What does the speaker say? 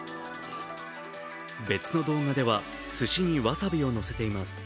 別の動画ではすしに、わさびをのせています。